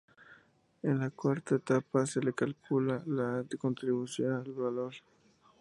En la cuarta etapa se calcula la contribución del valor.